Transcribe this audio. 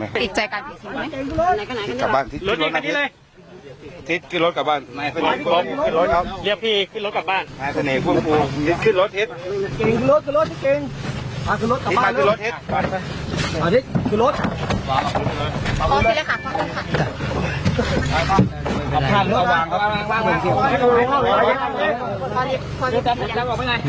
ปลอดภัณฑ์อันวันอาหาร๓๐ปี